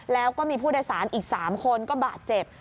แล้วก็มีผู้โดยสารอีก๓คนก็บาดเจ็บ